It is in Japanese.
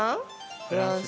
フランス？